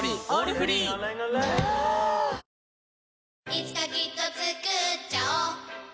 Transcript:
いつかきっとつくっちゃおう